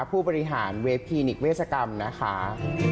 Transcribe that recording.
ผู้บริหารเวทคลินิกเวชกรรมนะคะ